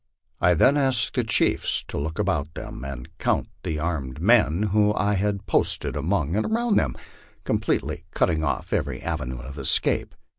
I then asked the chiefs to look about them and count the armed men whom I had posted among and around them, completely cutting off every avenue of escape.